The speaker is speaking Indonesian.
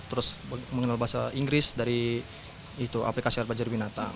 terus mengenal bahasa inggris dari aplikasi ar belajar binatang